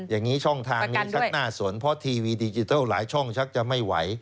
อย่างนี้ช่องทางนี้ชักหน้าสนเพราะทีวีดิจิทัลหลายช่องชักจะไม่ไหว